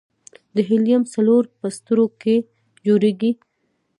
د هیلیم څلور په ستورو کې جوړېږي.